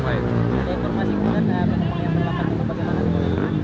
ada informasi kepadanya